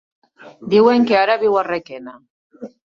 Diuen que ara viu a Requena.